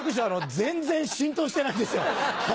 全然浸透してないですよ。